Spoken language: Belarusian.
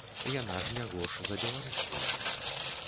Яна ж не горш за беларускую.